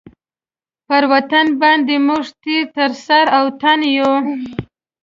پر وطن باندي موږ تېر تر سر او تن یو.